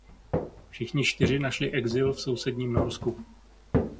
Všichni čtyři našli exil v sousedním Norsku.